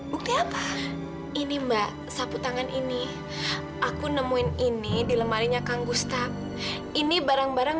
bukti apa ini mbak sapu tangan ini aku nemuin ini di lemarinya kang gustap ini barang barang